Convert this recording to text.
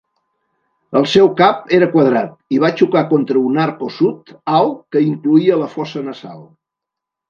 El seu cap era quadrat i va xocar contra un arc ossut alt que incloïa la fossa nasal.